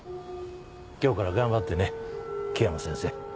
今日から頑張ってね樹山先生。